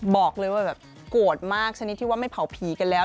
บอกเลยว่าแบบโกรธมากชนิดที่ว่าไม่เผาผีกันแล้ว